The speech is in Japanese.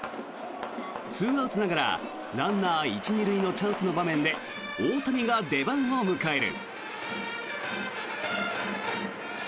２アウトながらランナー１・２塁のチャンスの場面で大谷が出番を迎える。